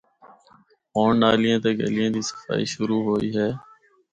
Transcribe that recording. ہونڑ نالیاں تے گلیاں دی صفائی شروع ہوئی ہے۔